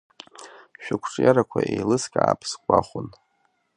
Шәықәҿиарақәа еилыскаап сгәахәын.